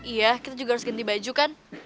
iya kita juga harus ganti baju kan